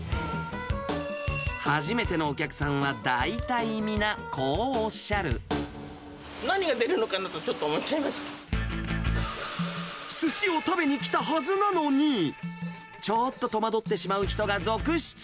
初めてのお客さんは大体、何が出るのかなと、ちょっとすしを食べに来たはずなのに、ちょっと戸惑ってしまう人が続出。